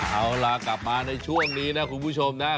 เอาล่ะกลับมาในช่วงนี้นะคุณผู้ชมนะ